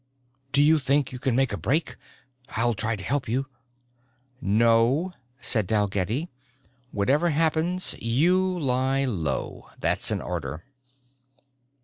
Do you think you can make a break? I'll try to help you. "No," said Dalgetty. "Whatever happens you lie low. That's an order."